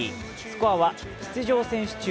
スコアは出場選手中